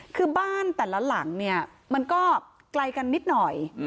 คือบ้านแต่ละหลังเนี่ยมันก็ไกลกันนิดหน่อย